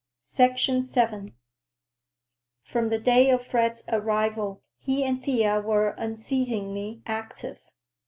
VII From the day of Fred's arrival, he and Thea were unceasingly active.